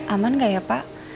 aman enggak ya pak